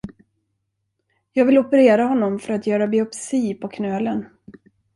Jag vill operera honom för att göra biopsi på knölen.